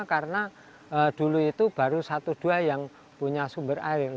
karena dulu itu baru satu dua yang punya sumber air